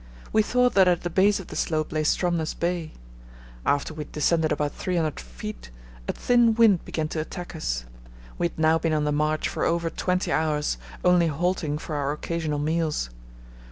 We thought that at the base of the slope lay Stromness Bay. After we had descended about 300 ft. a thin wind began to attack us. We had now been on the march for over twenty hours, only halting for our occasional meals.